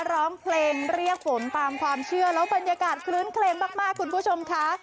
ร้องเพลงเรียกฝนตามความเชื่อแล้วบรรยากาศคลื้นเคลงมากคุณผู้ชมค่ะ